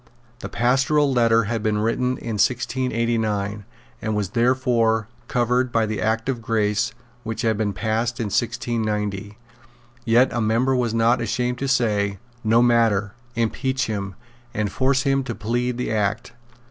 The Pastoral Letter had been written in 1689, and was therefore covered by the Act of Grace which had been passed in 1690. Yet a member was not ashamed to say, "No matter: impeach him; and force him to plead the Act."